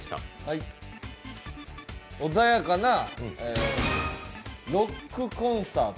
おだやかなロックコンサート。